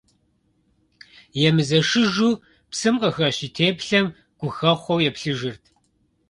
Емызэшыжу псым къыхэщ и теплъэм гухэхъуэу еплъыжырт.